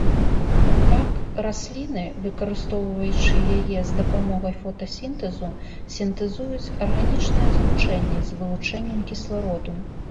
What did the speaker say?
Так, расліны, выкарыстоўваючы яе з дапамогай фотасінтэзу, сінтэзуюць арганічныя злучэнні з вылучэннем кіслароду.